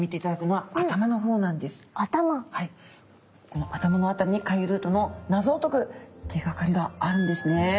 この頭の辺りに回遊ルートの謎を解く手がかりがあるんですね。